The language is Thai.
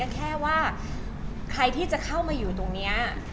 แค่ว่าใครที่จะเข้ามาอยู่ตรงนี้